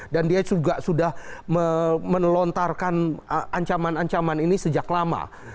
dan dia juga sudah melontarkan ancaman ancaman ini sejak lama